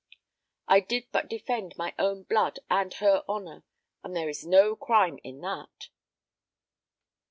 I did but defend my own blood and her honour, and there is no crime in that."